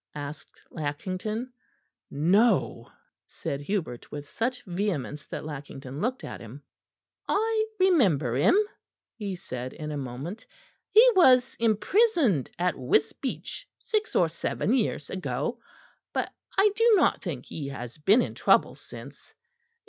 asked Lackington. "No," said Hubert with such vehemence that Lackington looked at him. "I remember him," he said in a moment; "he was imprisoned at Wisbeach six or seven years ago. But I do not think he has been in trouble since.